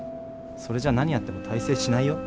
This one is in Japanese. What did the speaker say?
それじゃ何やっても大成しないよ。